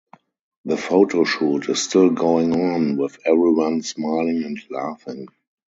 The photo shoot is still going on with everyone smiling and laughing.